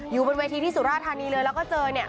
อยู่บนเวทีที่สุราธานีเลยแล้วก็เจอเนี่ย